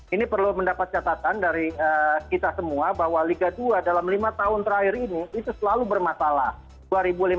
ini perlu mendapat catatan dari kita semua bahwa liga dua dalam lima tahun terakhir ini itu selalu bermasalah